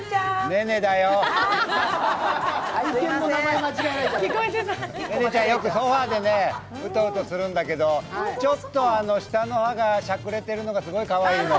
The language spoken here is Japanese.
ネネちゃんよくソファーでうとうとしてるんだけどちょっと下の歯がしゃくれているのがかわいいの。